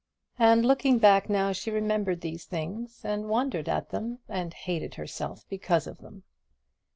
And looking back now she remembered these things, and wondered at them, and hated herself because of them.